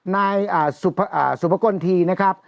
นายสุภกลทีนะครับ